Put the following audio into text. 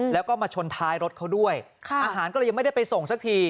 แล้วก็มาชนท้ายรถเขาด้วยอาหารก็เลยยังไม่ได้ไปส่งสักที